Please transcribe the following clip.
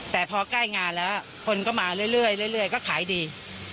แต่พอใกล้งานแล้วคนก็มาเรื่อยก็ขายดี